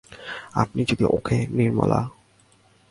আপনি যদি ওঁকে– নির্মলা।